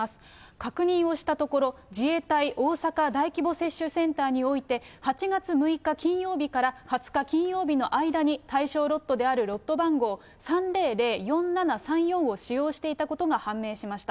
確認をしたところ、自衛隊大阪大規模接種センターにおいて、８月６日金曜日から２０日金曜日の間に、対象ロットであるロット番号、３００４７３４を使用していたことが判明しました。